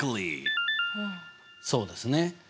そうですね。